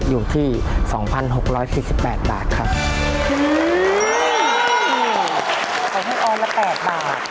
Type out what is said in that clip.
อยู่ที่๒๖๔๘บาทครับ